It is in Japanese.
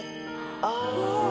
ああ。